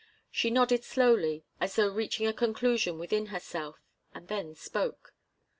She nodded slowly, as though reaching a conclusion within herself, and then spoke.